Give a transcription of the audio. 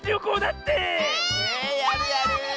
ええっやるやる！